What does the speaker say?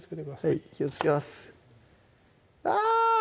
はい気をつけますあぁ！